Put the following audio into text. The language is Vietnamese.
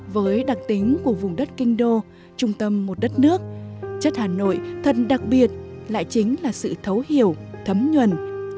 với đặc tính của vùng đất kinh đô trung tâm một đất nước chất hà nội thật đặc biệt lại chính là sự thấu hiểu thấm nhuần